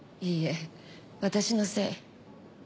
いいえ私のせい。